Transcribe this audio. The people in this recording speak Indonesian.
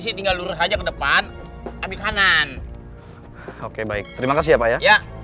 sih tinggal lurus aja ke depan tapi kanan oke baik terima kasih ya pak ya